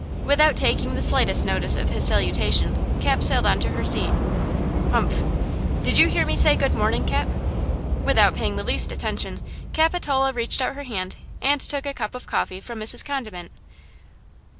Without taking the slightest notice of his salutation, Cap sailed on to her seat. "Humph. Did you hear me say 'Good morning,' Cap?" Without paying the least attention, Capitola reached out her hand and took a cup of coffee from Mrs. Condiment.